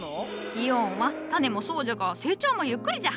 ディオーンはタネもそうじゃが成長もゆっくりじゃ。